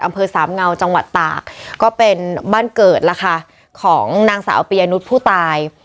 อำเภอสามเงาจังหวัดตากก็เป็นบ้านเกิดล่ะค่ะของนางสาวปียนุษย์ผู้ตาย